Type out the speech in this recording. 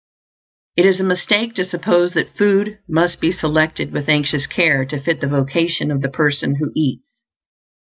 It is a mistake to suppose that food must be selected with anxious care to fit the vocation of the person who eats.